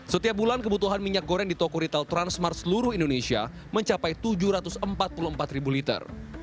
setiap bulan kebutuhan minyak goreng di toko retail transmart seluruh indonesia mencapai tujuh ratus empat puluh empat ribu liter